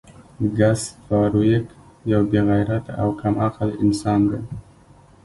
ګس فارویک یو بې غیرته او کم عقل انسان دی